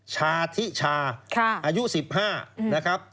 ชาธิชาอายุ๑๕นะครับ